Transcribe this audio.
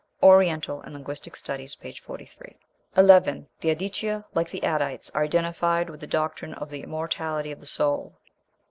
("Oriental and Linguistic Studies," p. 43.) 11. The Aditya, like the Adites, are identified with the doctrine of the immortality of the soul.